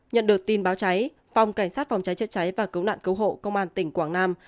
nhận được tin báo cháy phòng cảnh sát phòng cháy chữa cháy và cứu nạn cứu hộ công an tỉnh quảng nam